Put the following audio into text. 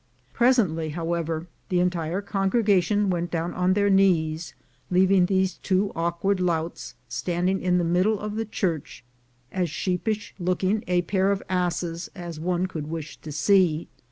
Presently, however, the entire congregation went down on their knees, leaving these two awkward louts stand ing in the middle of the church as sheepish looking a pair of asses as one could wish to see.